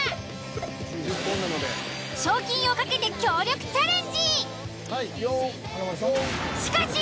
賞金を懸けて協力チャレンジ。